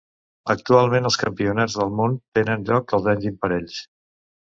Actualment els Campionats del món tenen lloc els anys imparells.